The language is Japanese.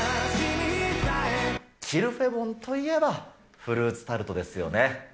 キルフェボンといえば、フルーツタルトですよね。